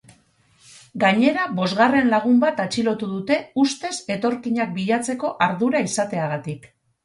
Gainera, bosgarren lagun bat atxilotu dute ustez etorkinak bilatzeko ardura izateagatik.